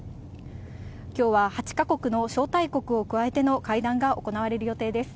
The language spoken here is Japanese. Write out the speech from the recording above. きょうは、８か国の招待国を加えての会談が行われる予定です。